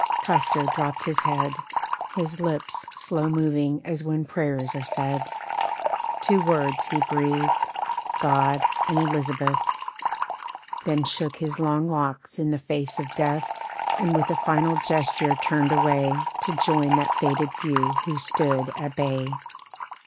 Custer dropped his head, His lips slow moving as when prayers are said Two words he breathed "God and Elizabeth," Then shook his long locks in the face of death, And with a final gesture turned away To join that fated few who stood at bay.